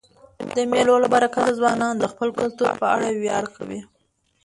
د مېلو له برکته ځوانان د خپل کلتور په اړه ویاړ کوي.